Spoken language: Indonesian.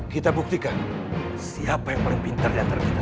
kita buktikan siapa yang paling pintar diantar kita